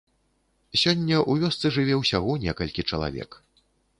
Сёння ў вёсцы жыве ўсяго некалькі чалавек.